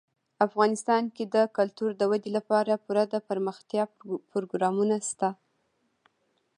افغانستان کې د کلتور د ودې لپاره پوره دپرمختیا پروګرامونه شته دي.